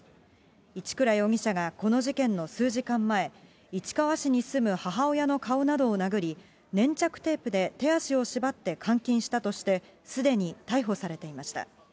一倉容疑者がこの事件の数時間前、市川市に住む母親の顔などを殴り、粘着テープで手足を縛って監禁したとして、すでに逮捕されていました。